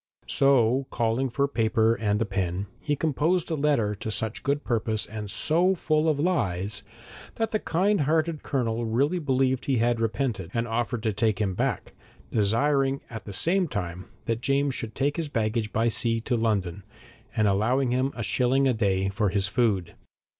So calling for paper and a pen, he composed a letter to such good purpose and so full of lies, that the kindhearted Colonel really believed he had repented, and offered to take him back, desiring at the same time that James should take his baggage by sea to London, and allowing him a shilling a day for his food.